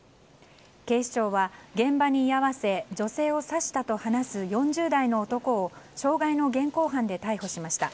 警視庁は現場に居合わせ女性を刺したと話す４０代の男を傷害の現行犯で逮捕しました。